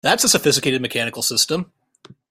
That's a sophisticated mechanical system!